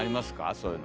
そういうの。